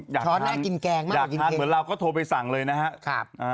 อยากทานเหมือนเราก็โทรไปสั่งเลยนะครับ